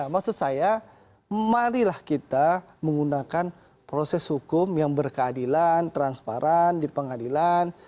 maksud saya marilah kita menggunakan proses hukum yang berkeadilan transparan di pengadilan